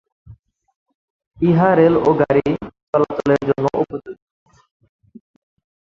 ইহা রেল ও গাড়ি চলাচলের জন্য উপযোগী।